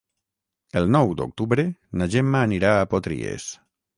El nou d'octubre na Gemma anirà a Potries.